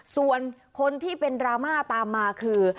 ส่วนคนที่เป็นดราม่าตามมาคือ